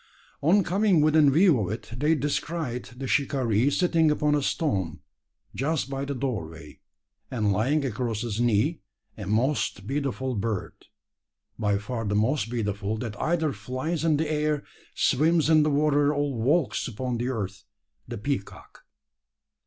On coming within view of it, they descried the shikaree sitting upon a stone, just by the doorway; and lying across his knee, a most beautiful bird by far the most beautiful that either flies in the air, swims in the water, or walks upon the earth the peacock.